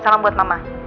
salam buat mama